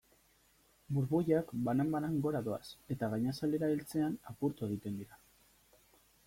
Burbuilak banan-banan gora doaz eta gainazalera heltzean apurtu egiten dira.